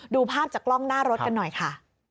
ดูภาพจากกล้องหน้ารถกันหน่อยค่ะ